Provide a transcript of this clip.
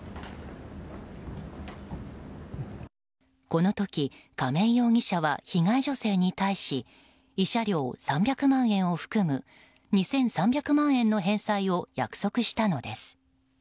この時、亀井容疑者は被害女性に対し慰謝料３００万円を含む２３００万円の返済を約束したのです。